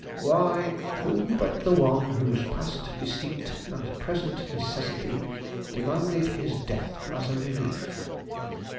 Why, who but the one whose past deceit and present necessity demanded his death as a relief?